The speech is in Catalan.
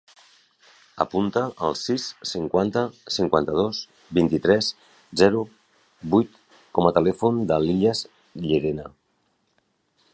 Apunta el sis, cinquanta, cinquanta-dos, vint-i-tres, zero, vuit com a telèfon de l'Ilyas Llerena.